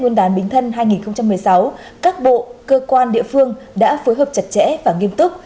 nguyên đán bính thân hai nghìn một mươi sáu các bộ cơ quan địa phương đã phối hợp chặt chẽ và nghiêm túc